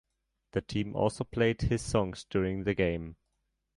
The team also played his songs during the game.